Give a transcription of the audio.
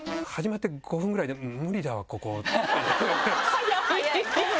早い。